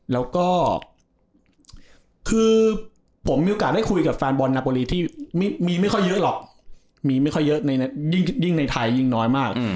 แล้วก็คือผมมีโอกาสได้คุยกับแฟนบอลนาโปรีที่มีไม่ค่อยเยอะหรอกมีไม่ค่อยเยอะยิ่งในไทยยิ่งน้อยมาก